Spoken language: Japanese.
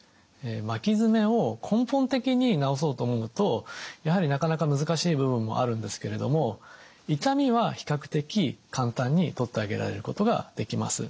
巻き爪を根本的に治そうと思うとやはりなかなか難しい部分もあるんですけれども痛みは比較的簡単に取ってあげられることができます。